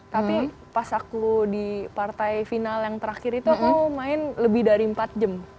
tapi pas aku di partai final yang terakhir itu aku main lebih dari empat jam